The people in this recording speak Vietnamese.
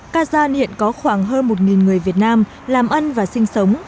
cà gian hiện có khoảng hơn một người việt nam làm ăn và sinh sống